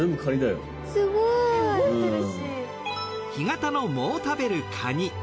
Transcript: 干潟の藻を食べるカニ。